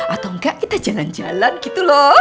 atau enggak kita jalan jalan gitu loh